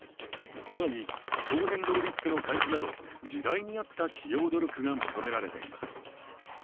更に気候変動リスクの開示など時代に合った企業努力が求められています。